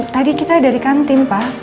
tadi kita dari kantim pak